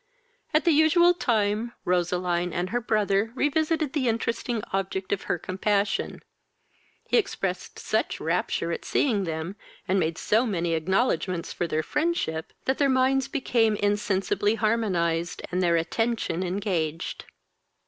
At the usual time Roseline and her brother revisited the interesting object of her compassion. He expressed such rapture at seeing them, and made so many acknowledgements for their friendship, that their minds became insensibly harmonized, and their attention engaged.